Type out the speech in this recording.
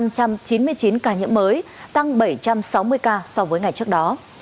một trăm chín mươi chín ca nhiễm mới tăng bảy trăm sáu mươi ca so với ngày trước đó